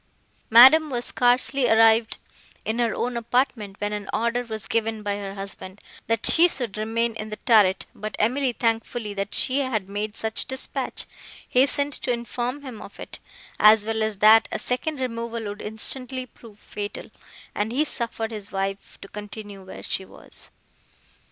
Madame was scarcely arrived in her own apartment, when an order was given by her husband, that she should remain in the turret; but Emily, thankful that she had made such dispatch, hastened to inform him of it, as well as that a second removal would instantly prove fatal, and he suffered his wife to continue where she was.